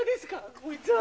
こいつは。